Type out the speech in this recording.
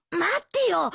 待ってよ